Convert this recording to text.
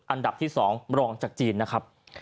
อันดับที่๒รองจากจีนนะครับ